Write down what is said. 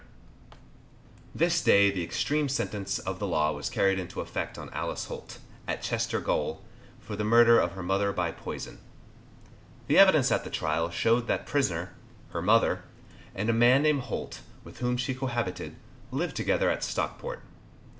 This day the extreme sentence of the law was carried into effect on Alice Holt, at Chester Gaol, for the murder of her mother by poison. The evidence at the trial showed that prisoner, her mother, and a man named Holt, with whom she cohabited, lived together at Stockport.